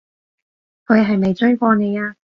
佢係咪追過你啊？